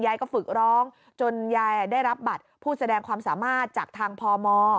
ฝึกร้องจนยายได้รับบัตรผู้แสดงความสามารถจากทางพม